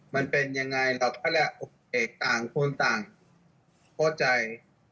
มันเป็นยังไงเราก็แหละโอเคต่างคนต่างเพราะใจ